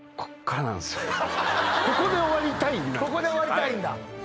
ここで終わりたいんだ？